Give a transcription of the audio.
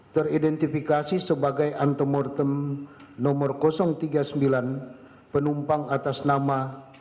teridentifikasi sebagai antemortem nomor tiga puluh sembilan penumpang atas nama